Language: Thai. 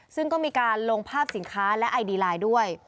ซึ่งก็มีการลงภาพสินค้าและไอดีไลน์ด้วย